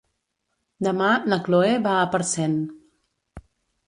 Demà na Chloé va a Parcent.